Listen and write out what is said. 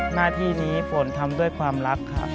หน้าที่นี้ฝนทำด้วยความรักค่ะ